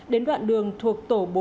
đến đoạn đường thuộc tổ bốn